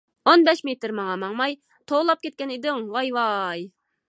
ئون بەش مېتىر ماڭا-ماڭاي، توۋلاپ كەتكەن ئىدىڭ ۋاي-ۋاي.